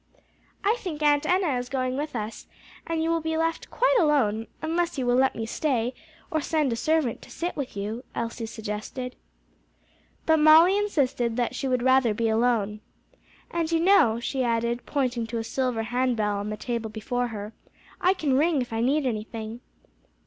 "I think Aunt Enna is going with us, and you will be left quite alone, unless you will let me stay, or send a servant to sit with you," Elsie suggested. But Molly insisted that she would rather be alone. "And you know," she added, pointing to a silver hand bell on the table before her, "I can ring if I need anything."